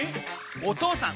お義父さん！